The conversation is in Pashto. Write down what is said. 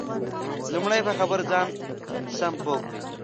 لمړی په خبر ځان سم پوه کړئ